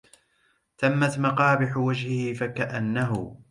تمت مقابح وجهه فكأنه